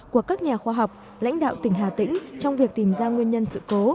của các nhà khoa học lãnh đạo tỉnh hà tĩnh trong việc tìm ra nguyên nhân sự cố